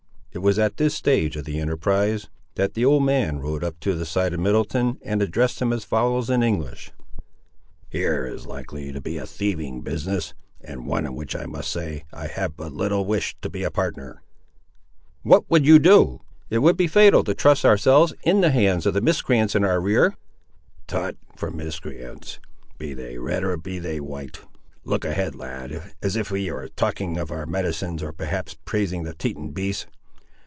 It was at this stage of the enterprise, that the old man rode up to the side of Middleton, and addressed him as follows in English— "Here is likely to be a thieving business, and one in which I must say I have but little wish to be a partner." "What would you do? It would be fatal to trust ourselves in the hands of the miscreants in our rear." "Tut, for miscreants, be they red or be they white. Look ahead, lad, as if ye were talking of our medicines, or perhaps praising the Teton beasts.